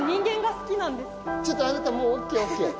ちょっとあなたもうＯＫＯＫ。